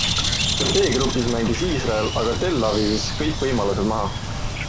B-grupis mängis Iisrael aga Tel Avivis kõik võimalused maha.